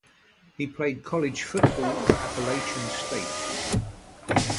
He played college football for Appalachian State.